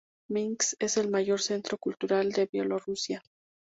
Minsk es el mayor centro cultural de Bielorrusia.